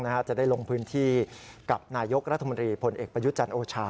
จะได้ลงพื้นที่กับนายกรัฐมนตรีผลเอกประยุจันทร์โอชา